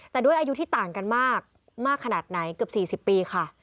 แต่ด้วยอายุที่ต่างกันมากมากขนาดไหนเกือบ๔๐ปีค่ะ